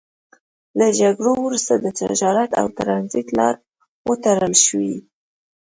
له جګړو وروسته د تجارت او ترانزیت لارې وتړل شوې.